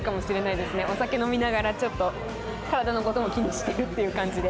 お酒飲みながらちょっと体の事も気にしてるっていう感じで。